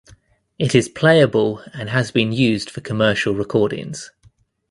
It is playable and has been used for commercial recordings.